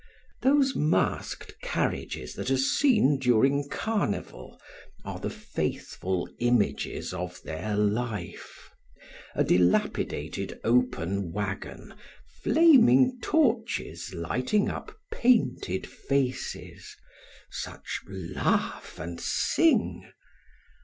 Those masked carriages that are seen during carnival are the faithful images of their life. A dilapidated open wagon, flaming torches lighting up painted faces; such laugh and sing.